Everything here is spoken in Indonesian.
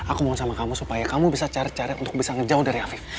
aku mohon sama kamu supaya kamu bisa cari cari untuk bisa ngejauh dari afif